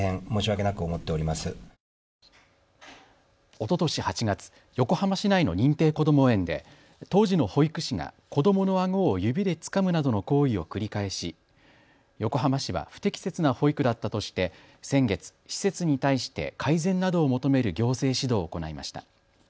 おととし８月、横浜市内の認定こども園で当時の保育士が子どものあごを指でつかむなどの行為を繰り返し横浜市は不適切な保育だったとして先月、施設に対して改善などを求める行政指導を行いました。